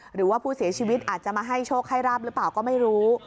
หรือว่าผู้เสียชีวิตอาจจะมาให้โชคให้ราบหรือเปล่าก็ไม่รู้